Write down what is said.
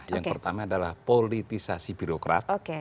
yang pertama adalah politisasi birokrat